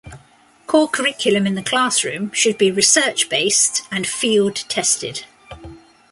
Core curriculum in the classroom should be research-based and field tested.